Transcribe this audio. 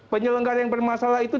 penyelenggara yang bermasalah itu